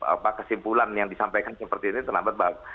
apa kesimpulan yang disampaikan seperti ini terlambat